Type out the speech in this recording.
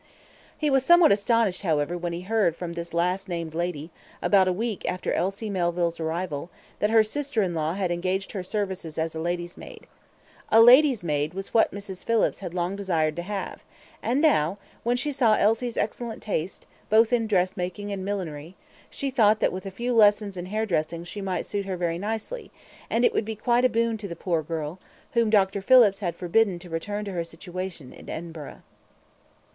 He was somewhat astonished, however, when he heard from this last named lady, about a week after Elsie Melville's arrival, that her sister in law had engaged her services as lady's maid. A lady's maid was what Mrs. Phillips had long desired to have, and now, when she saw Elsie's excellent taste, both in dressmaking and millinery, she thought that with a few lessons in hairdressing she might suit her very nicely, and it would be quite a boon to the poor girl, whom Dr. Phillips had forbidden to return to her situation in Edinburgh.